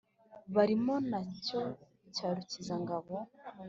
Barimo na Cyoya cya Rukiza ngabo